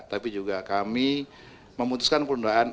tapi juga kami memutuskan penundaan